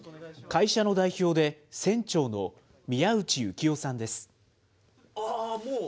会社の代表で船長の宮内幸雄さんです。